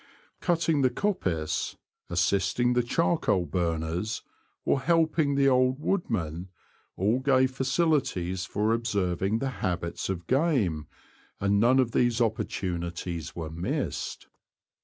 Cutting the coppice, assisting the charcoal burners, or helping the old woodman — all gave facilities for observing the habits of game, and none of these opportunities were missed.